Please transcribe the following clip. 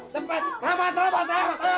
dapat rapat rapat rapat